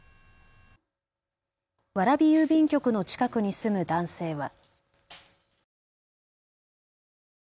蕨郵便局の近くに住む男性は。